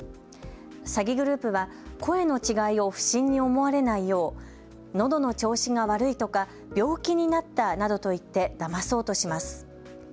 詐欺グループは声の違いを不審に思われないようのどの調子が悪いとか病気になったなどと言ってだまそうとします。